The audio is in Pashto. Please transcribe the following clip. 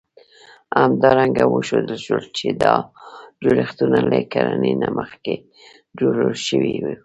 همدارنګه وښودل شول، چې دا جوړښتونه له کرنې نه مخکې جوړ شوي وو.